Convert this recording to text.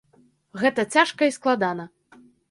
Гэта цяжка і складана.